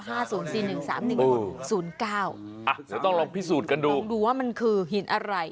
เดี๋ยวต้องลองพิสูจน์กันดูลองดูว่ามันคือหินอะไร